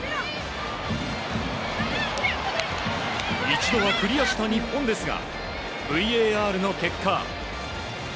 一度はクリアした日本ですがＶＡＲの結果。